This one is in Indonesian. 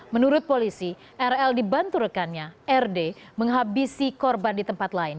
menurut polisi rl dibantu rekannya rd menghabisi korban di tempat lain